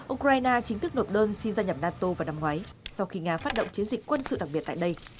ukraine chính thức nộp đơn xin gia nhập nato vào năm ngoái sau khi nga phát động chiến dịch quân sự đặc biệt tại đây